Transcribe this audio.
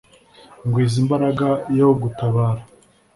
ngwiza imbaraga yo gutabara,